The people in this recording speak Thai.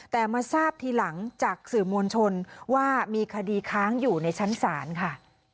แต่มาทราบทีหลังจากสื่อมวลชนว่ามีคดีค้างอยู่ในชั้นศาลค่ะ